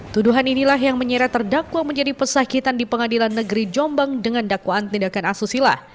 tuduhan inilah yang menyeret terdakwa menjadi pesakitan di pengadilan negeri jombang dengan dakwaan tindakan asusila